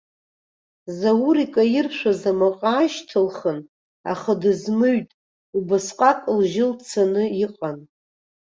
Заур икаиршәыз амаҟа аашьҭылхын, аха дызмыҩт, убасҟак лжьы лцаны иҟан.